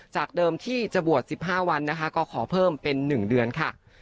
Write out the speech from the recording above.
จากเดิมที่จะบวช๑๕วันนะคะก็ขอเพิ่มเป็น๑เดือนค่ะ